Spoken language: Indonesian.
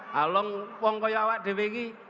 kalau orang itu di sini